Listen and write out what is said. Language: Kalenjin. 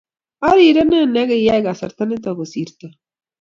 arirenen ne iyai kasrta nitok kosirto